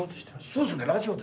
そうですね。